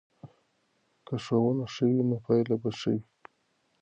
که ښوونه ښه وي نو پایله به ښه وي.